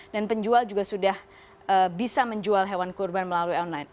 dan penjual juga sudah bisa menjual hewan kurban melalui online